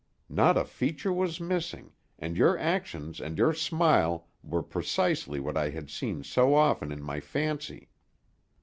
Not a feature was missing, and your actions and your smile were precisely what I had seen so often in my fancy.